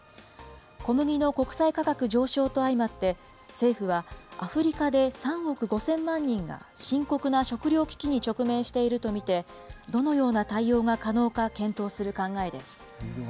小麦の国際価格上昇と相まって、政府はアフリカで３億５０００万人が深刻な食料危機に直面していると見て、どのような対応が可能か検討する考えです。